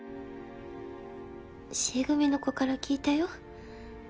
Ｃ組の子から聞いたよ。